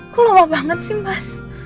kok lama banget sih mas